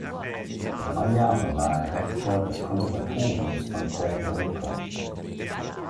Drei Jahre war er Rektor des Konservatoriums von Puerto Rico.